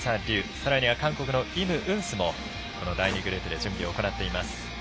さらには韓国のイム・ウンスもこの第２グループで準備を行っています。